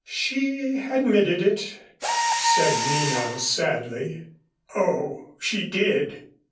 "She admitted it," said Nina sadly. "Oh, she did!